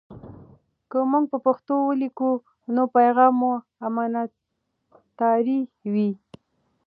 که موږ په پښتو ولیکو، نو پیغام مو امانتاري وي.